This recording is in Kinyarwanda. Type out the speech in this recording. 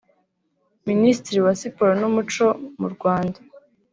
Minisitiri wa Siporo n’Umuco mu Rwanda